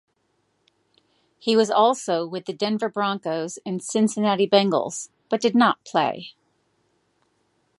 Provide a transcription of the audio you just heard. He also was with the Denver Broncos and Cincinnati Bengals but did not play.